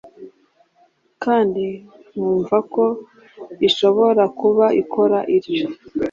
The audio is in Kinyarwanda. kd nkumvako ishobora kuba ikora ityo